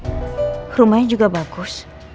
ini rumahnya juga bagus